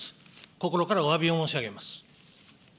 心からおわびを申し上げます。